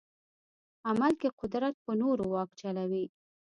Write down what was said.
عمل کې قدرت پر نورو واک چلوي.